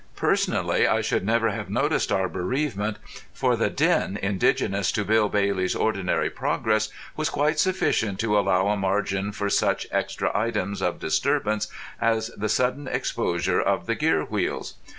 Personally I should never have noticed our bereavement, for the din indigenous to Bill Bailey's ordinary progress was quite sufficient to allow a margin for such extra items of disturbance as the sudden exposure of the gear wheels.